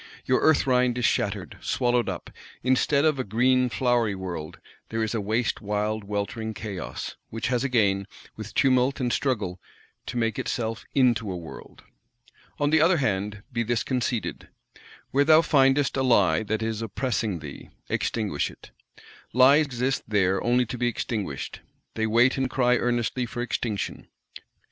Your "Earth rind" is shattered, swallowed up; instead of a green flowery world, there is a waste wild weltering chaos:—which has again, with tumult and struggle, to make itself into a world. On the other hand, be this conceded: Where thou findest a Lie that is oppressing thee, extinguish it. Lies exist there only to be extinguished; they wait and cry earnestly for extinction.